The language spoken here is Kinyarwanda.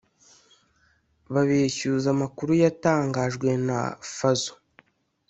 babeshyuza amakuru yatangajwe na Fazzo